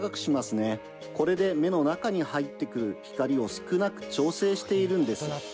これで目の中に入ってくる光を少なく調整しているんです。